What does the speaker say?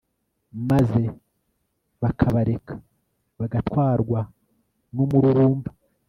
maze bakabareka bagatwarwa numururumba